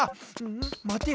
んまてよ。